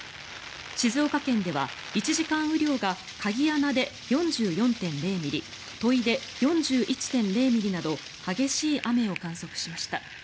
静岡県では１時間雨量が鍵穴で４４．０ミリ土肥で４１．０ミリなど激しい雨を観測しました。